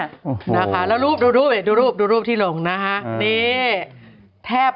ครับแล้วรูปดูที่หลงนะไหม